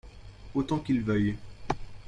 Autant qu'il veuille.